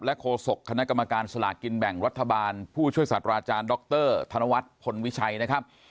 โฆษกคณะกรรมการสลากกินแบ่งรัฐบาลผู้ช่วยศาสตราอาจารย์ดรธนวัฒน์พลวิชัยนะครับ